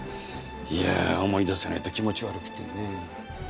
いやあ思い出せないと気持ち悪くてね。